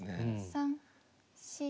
３４。